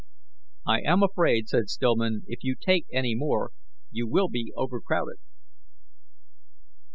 "I am afraid," said Stillman, "if you take any more, you will be overcrowded."